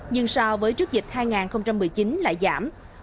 nhưng so với trước dịch hai nghìn một mươi chín lại giảm